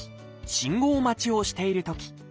信号待ちをしているとき。